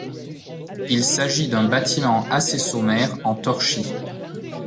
Il s'agit un bâtiment assez sommaire en torchis.